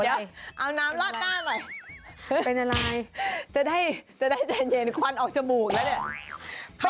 เดี๋ยวเอาน้ำลาดหน้าหน่อยจะได้ใจเย็นควันออกจมูกแล้วเนี่ย